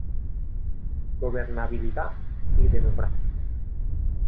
Gobernabilidad y Democracia".